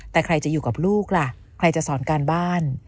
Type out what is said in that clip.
แต่ใครจะอยู่กับลูกล่ะใครจะสอนการบ้าน